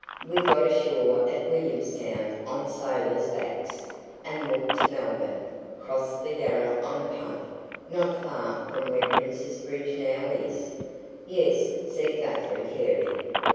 We got ashore at Williamstown, on sailors' backs, and walked to Melbourne. Crossed the Yarra on a punt, not far from where Prince's Bridge now is " "Yes," said Guthrie Carey.